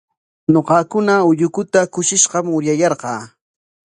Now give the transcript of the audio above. Ñuqakuna ullukuta kushishqam uryayarqaa.